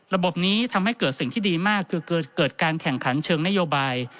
ระบบนี้ทำให้เกิดสิ่งที่ดีมากคือเกิดการแข่งขันเชิงนโยบาย